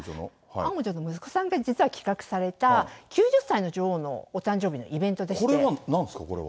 アン王女の息子さんが実は企画された９０歳の女王のお誕生日のイこれはなんですか、これは。